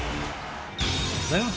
前半